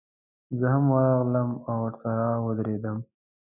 زه هم ورغلم او ورسره ودرېدم.